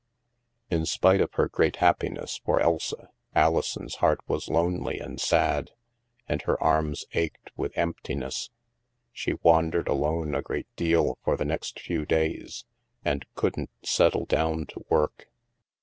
In spite of her great happiness for Elsa, Alison's heart was lonely and sad, and her arms ached with emptiness. She wandered alone a great deal for the next few days, and couldn't settle down to work.